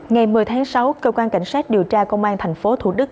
ngày một mươi tháng sáu cơ quan cảnh sát điều tra công an thành phố thủ đức